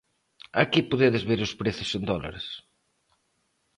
Aquí podedes ver os prezos en dólares.